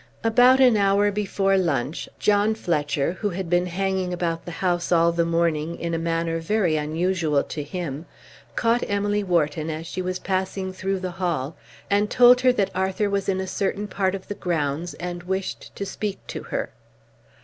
About an hour before lunch, John Fletcher, who had been hanging about the house all the morning in a manner very unusual to him, caught Emily Wharton as she was passing through the hall, and told her that Arthur was in a certain part of the grounds and wished to speak to her.